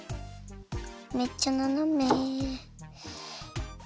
めっちゃななめ。